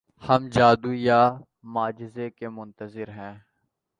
ہم جادو یا معجزے کے منتظر ہیں۔